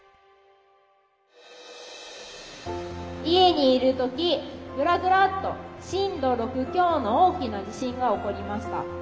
「家にいるときグラグラッと震度６強の大きな地震が起こりました。